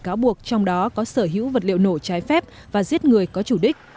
cáo buộc trong đó có sở hữu vật liệu nổ trái phép và giết người có chủ đích